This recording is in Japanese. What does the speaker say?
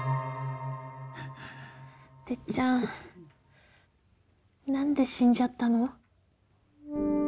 てっちゃん何で死んじゃったの？